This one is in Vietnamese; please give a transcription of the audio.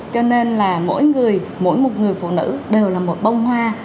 cho nên là mỗi người mỗi một người phụ nữ đều là một bông hoa